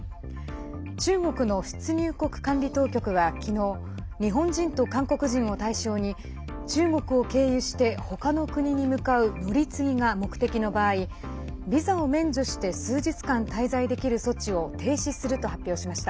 中国の出入国管理当局は昨日日本人と韓国人を対象に中国を経由して他の国に向かう乗り継ぎが目的の場合ビザを免除して数日間滞在できる措置を停止すると発表しました。